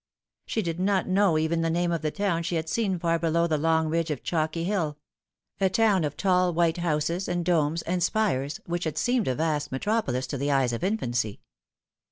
She did not know even the name All She could Remember. 27 of the town she had seen far below the long ridge of chalky hill a town of tall white houses and domes and spires, which had seemed a vast metropolis to the eyes of infancy.